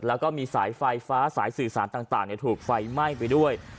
แล้วก็มีสายไฟฟ้าสายสื่อสารต่างถูกไฟไหม้ไปด้วย